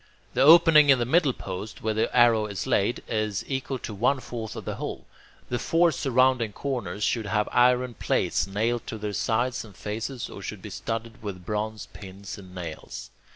The opening in the middle post, where the arrow is laid, is equal to one fourth of the hole. The four surrounding corners should have iron plates nailed to their sides and faces, or should be studded with bronze pins and nails.